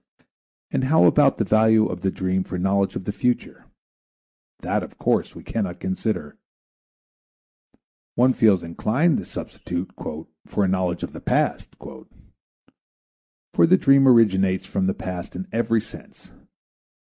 And how about the value of the dream for a knowledge of the future? That, of course, we cannot consider. One feels inclined to substitute: "for a knowledge of the past." For the dream originates from the past in every sense.